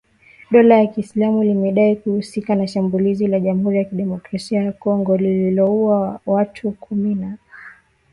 Dola ya Kiislamu limedai kuhusika na shambulizi la Jamhuri ya Kidemokrasi ya Kongo lililouwa watu kumi na watano.